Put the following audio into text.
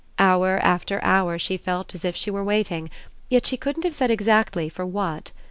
Hour after hour she felt as if she were waiting; yet she couldn't have said exactly for what.